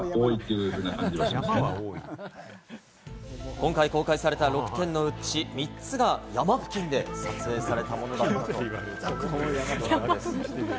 今回公開された６点のうち３つが山付近で撮影されたものだったということです。